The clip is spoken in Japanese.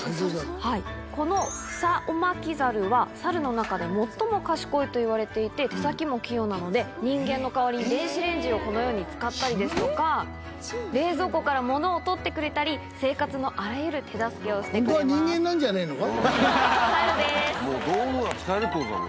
このフサオマキザルは、サルの中で最も賢いといわれていて、手先も器用なので、人間の代わりに電子レンジをこのように使ったりですとか、冷蔵庫から物を取ってくれたり、生活のあらゆる手助けをしてくれ本当は人間なんじゃねぇのか？